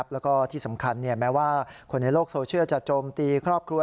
แล้วก็ที่สำคัญแม้ว่าคนในโลกโซเชียลจะโจมตีครอบครัว